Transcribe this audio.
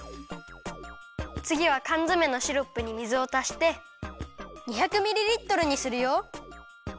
つぎはかんづめのシロップに水をたして２００ミリリットルにするよ。